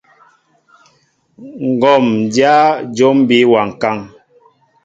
Ŋgǒm dyá jǒm bí wa ŋkán.